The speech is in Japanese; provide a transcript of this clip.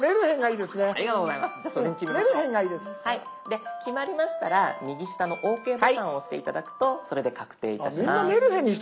で決まりましたら右下のＯＫボタンを押して頂くとそれで確定いたします。